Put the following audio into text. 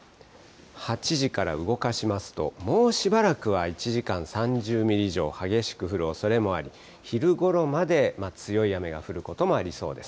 ８時から動かしますと、もうしばらくは１時間３０ミリ以上、激しく降るおそれもあり、昼ごろまで、強い雨が降ることもありそうです。